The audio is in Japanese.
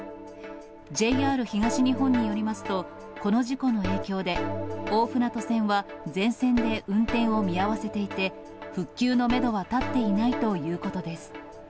ＪＲ東日本によりますと、この事故の影響で、大船渡線は全線で運転を見合わせていて、復旧のメドは立っていないということです。